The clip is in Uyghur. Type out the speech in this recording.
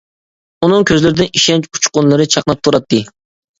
ئۇنىڭ كۆزلىرىدىن ئىشەنچ ئۇچقۇنلىرى چاقناپ تۇراتتى.